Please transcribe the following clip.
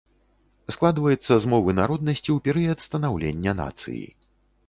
Складваецца з мовы народнасці ў перыяд станаўлення нацыі.